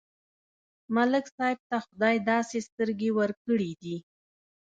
ملک صاحب ته خدای داسې سترګې ورکړې دي،